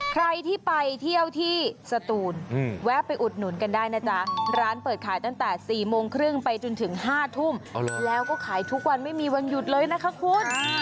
ใครที่ไปเที่ยวที่สตูนแวะไปอุดหนุนกันได้นะจ๊ะร้านเปิดขายตั้งแต่๔โมงครึ่งไปจนถึง๕ทุ่มแล้วก็ขายทุกวันไม่มีวันหยุดเลยนะคะคุณ